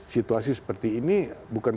situasi seperti ini bukan